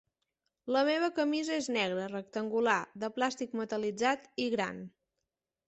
La meva camisa és negra, rectangular, de plàstic metal·litzat i gran.